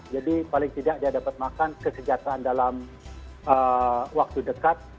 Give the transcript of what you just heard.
jadi paling tidak dia dapat makan kesejahteraan dalam waktu dekat